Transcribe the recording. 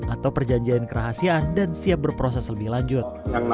atau perjanjian kerahasiaan dan siap berproses lebih lanjut